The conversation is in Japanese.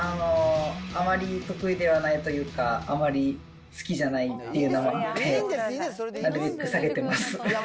あまり得意ではないというか、あまり好きじゃないっていうのもあって、なるべく避けてます。